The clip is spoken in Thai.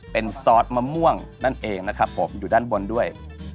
เป็นซอสมะม่วงนั่นเองนะครับผมอยู่ด้านบนด้วย